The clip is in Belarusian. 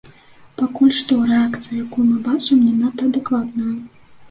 Пакуль што рэакцыя, якую мы бачым, не надта адэкватная.